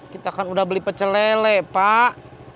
kita kan udah beli pecelele pak